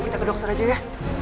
kita ke dokter aja ya